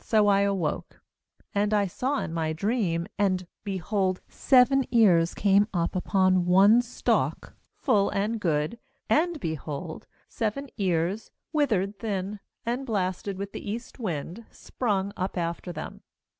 So I awoke. ^And I saw in my dream, and, behold, seven ears came up upon one stalk, full and good. ^And, behold, seven ears, withered, thin, and blasted with the east wind, sprung up after them.